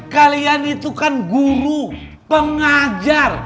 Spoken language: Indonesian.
kalian itu kan guru pengajar